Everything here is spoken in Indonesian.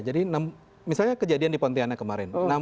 jadi misalnya kejadian di pontianak kemarin